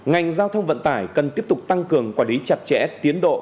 ngành giao thông vận tải cần tiếp tục tăng cường quản lý chặt chẽ tiến độ